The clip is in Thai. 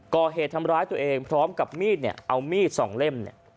ก่อเหตุทำร้ายตัวเองพร้อมกับมีดเนี่ยเอามีดสองเล่มเนี่ย